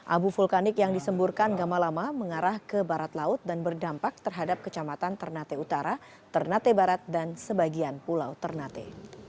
abu vulkanik yang disemburkan gamalama mengarah ke barat laut dan berdampak terhadap kecamatan ternate utara ternate barat dan sebagian pulau ternate